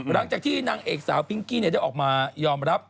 หลังจากที่นางเอกสาวพิ้งกี้ได้ออกมายอมรับ